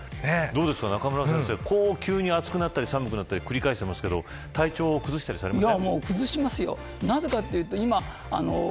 中村先生、急に暑くなったり寒くなったりを繰り返してますが体調、崩したりされません。